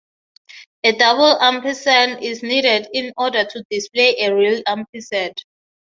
A double ampersand is needed in order to display a real ampersand.